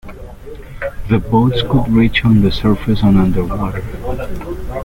The boats could reach on the surface and underwater.